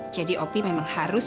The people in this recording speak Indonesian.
jadi opi memang harus